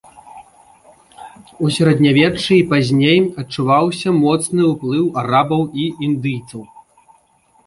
У сярэднявеччы і пазней адчуваўся моцны ўплыў арабаў і індыйцаў.